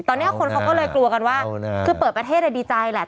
ตอนนี้คนเขาก็เลยกลัวกันว่าคือเปิดประเทศดีใจแหละ